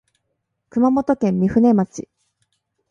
熊本県御船町